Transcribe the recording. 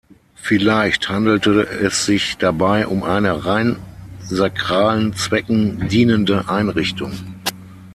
Vielleicht handelte es sich dabei um eine rein sakralen Zwecken dienende Einrichtung.